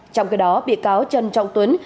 trong khi đó bị cáo trần trọng tuấn